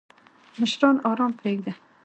مشران آرام پریږده!